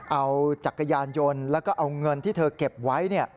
เอาจักรยานยนต์แล้วก็เอาเงินที่เธอเก็บไว้